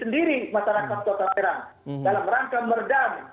dalam rangka merdam